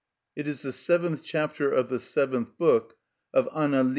It is the seventh chapter of the second book of the "_Analyt.